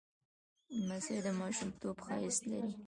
لمسی د ماشومتوب ښایست لري.